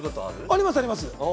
あります、あります。